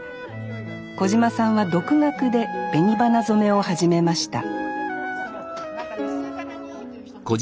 小島さんは独学で紅花染めを始めました出来た！